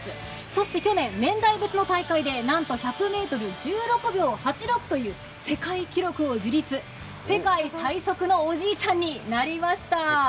そして去年、年代別の大会でなんと１６秒８６という世界記録を樹立、世界最速のおじいちゃんになりました。